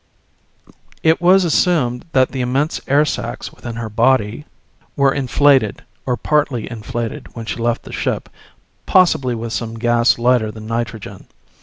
It was assumed that immense air sacs within her body were inflated or partly inflated when she left the ship, possibly with some gas lighter than nitrogen.